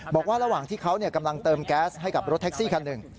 บอกว่าระหว่างที่เขากำลังเติมแก๊สให้กับรถแท็กซี่คันหนึ่ง